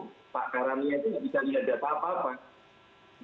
dari ovo pak karami itu tidak bisa lihat data apa apa